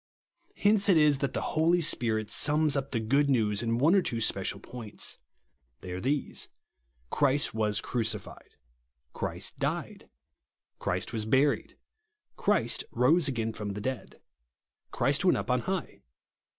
Hence it is that the Holy Spirit sums up the good news in one or two special points. They are these : Christ was cruci fied. Christ died. Christ was buried. Christ rose again from the dead. Christ went up on high.